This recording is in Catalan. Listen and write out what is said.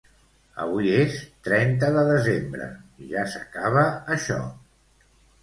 Avui és trenta de desembre, ja s'acaba això!